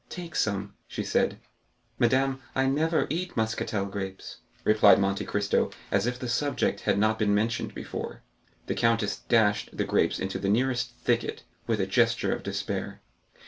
"Take some," she said. "Madame, I never eat Muscatel grapes," replied Monte Cristo, as if the subject had not been mentioned before. The countess dashed the grapes into the nearest thicket, with a gesture of despair.